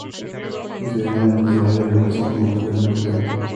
Consideraron el desarrollo de la educación como un deber importante.